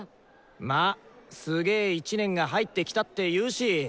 まあすげ１年が入ってきたっていうし！